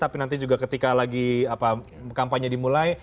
tapi ketika lagi kampanye dimulai